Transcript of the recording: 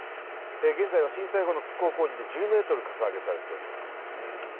現在は震災後の復興工事で１０メートルかさ上げされております。